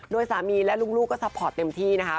โดยสามีและลุงลูกก็ซัพพอร์ตเต็มที่นะคะ